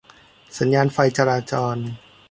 สัญญาณไฟจราจร